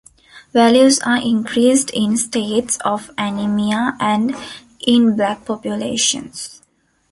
Values are increased in states of anemia, and in black populations.